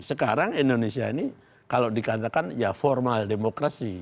sekarang indonesia ini kalau dikatakan ya formal demokrasi